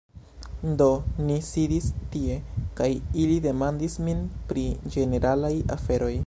Do, ni sidis tie kaj ili demandis min pri ĝeneralaj aferoj